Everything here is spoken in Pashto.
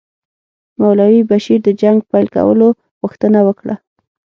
مولوي بشیر د جنګ پیل کولو غوښتنه وکړه.